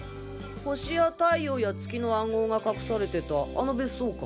星や太陽や月の暗号が隠されてたあの別荘か。